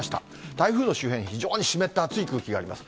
台風の周辺、非常に湿ったあつい空気があります。